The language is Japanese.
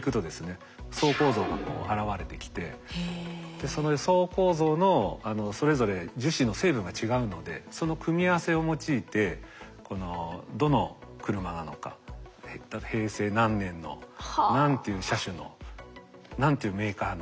でその層構造のそれぞれ樹脂の成分が違うのでその組み合わせを用いてどの車なのか平成何年の何ていう車種の何ていうメーカーのと。